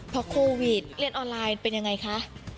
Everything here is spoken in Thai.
เพราะโควิดเรียนออนไลน์เป็นอย่างไรคะ